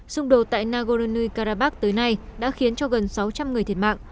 xung đột tại nagorno karabakh tới nay đã khiến cho gần sáu trăm linh người thiệt mạng